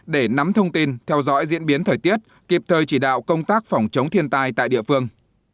để nắm thông tin theo dõi diễn biến thời tiết kịp thời chỉ đạo công tác phòng chống thiên tai tại địa phương